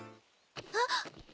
あっ。